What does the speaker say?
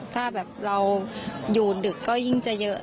ถ้าแบบเราอยู่ดึกก็ยิ่งจะเยอะ